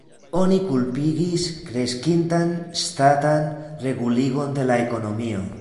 Oni kulpigis kreskintan ŝtatan reguligon de la ekonomio.